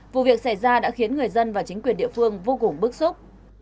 vụ việc xảy ra đã khiến người dân và chính quyền địa phương vô cùng bức xúc